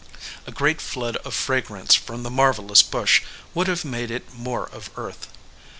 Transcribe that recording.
A great flood of fragrance from the marvelous bush would have made it more of earth.